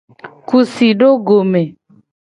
Ku si do go me.